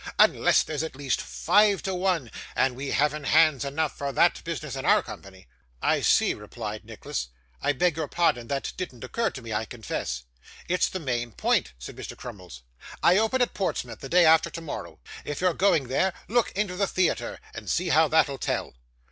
unless there's at least five to one, and we haven't hands enough for that business in our company.' 'I see,' replied Nicholas. 'I beg your pardon. That didn't occur to me, I confess.' 'It's the main point,' said Mr. Crummles. 'I open at Portsmouth the day after tomorrow. If you're going there, look into the theatre, and see how that'll tell.